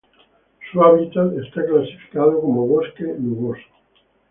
Su hábitat está clasificado como bosque nuboso.